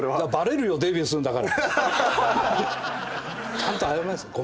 ちゃんと謝りましたよ